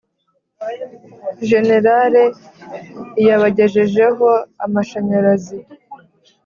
général iyabagejejeho amashanyarazi